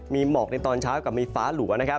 มีหมอกในตอนเช้ากับมีฟ้าหลัว